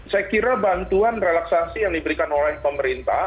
saya kira bantuan relaksasi yang diberikan oleh pemerintah